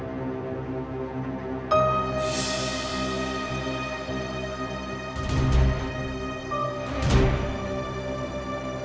kau tidak ia ingin menyentuhku